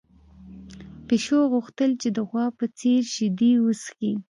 پيشو غوښتل چې د غوا په څېر شیدې وڅښي.